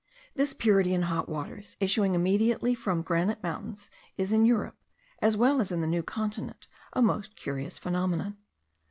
This purity in hot waters issuing immediately from granite mountains is in Europe, as well as in the New Continent, a most curious phenomenon.